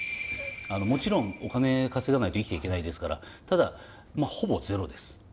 もちろんお金稼がないと生きていけないですからただほぼ０です。